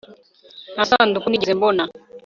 Nta sanduku nigeze mbona